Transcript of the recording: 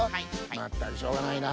まったくしょうがないな。